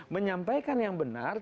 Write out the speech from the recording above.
menyampaikan yang benar